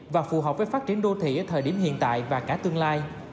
và phù hợp với phát triển đô thị ở thời điểm hiện tại và cả tương lai